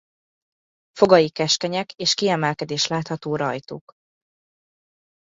Fogai keskenyek és kiemelkedés látható rajtuk.